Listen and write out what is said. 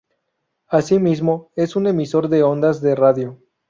Asimismo, es un emisor de ondas de radio.